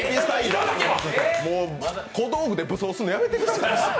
小道具で武装するのやめてください。